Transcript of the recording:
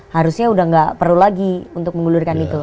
harusnya udah nggak perlu lagi untuk menggulirkan itu